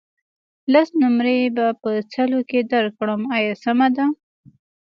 لس نمرې به په سلو کې درکړم آیا سمه ده.